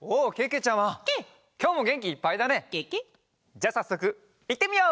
じゃあさっそくいってみよう！